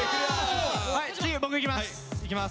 いきます！